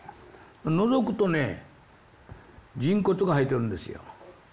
のぞくとね人骨が入ってるんですよ。